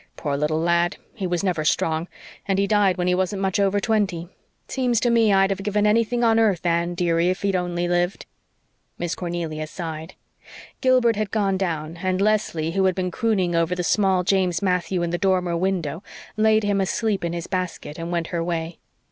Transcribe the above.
Poor little lad, he was never strong, and he died when he wasn't much over twenty. Seems to me I'd have given anything on earth, Anne, dearie, if he'd only lived." Miss Cornelia sighed. Gilbert had gone down and Leslie, who had been crooning over the small James Matthew in the dormer window, laid him asleep in his basket and went her way.